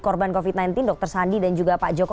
korban covid sembilan belas dokter sandi dan juga pak joko